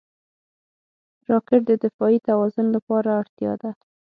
راکټ د دفاعي توازن لپاره اړتیا ده